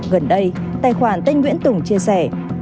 gần đây tài khoản tênh nguyễn tùng chia sẻ